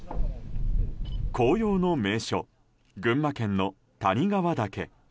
紅葉の名所、群馬県の谷川岳。